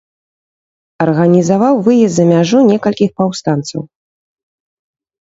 Арганізаваў выезд за мяжу некалькіх паўстанцаў.